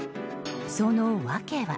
その訳は。